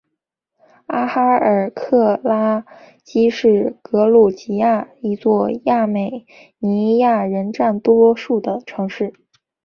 阿哈尔卡拉基是格鲁吉亚一座亚美尼亚人占多数的城市。